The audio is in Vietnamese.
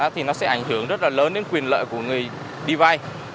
thì nó sẽ ảnh hưởng rất là lớn đến quyền lợi của người đi vay